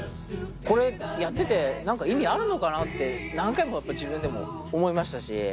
これやってて何か意味あるのかな？って何回も自分でも思いましたし。